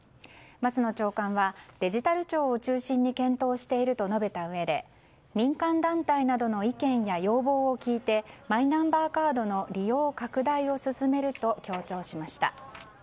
松野長官はデジタル庁を中心に検討していると述べたうえで民間団体などの意見や要望を聞いてマイナンバーカードの利用拡大を進めると強調しました。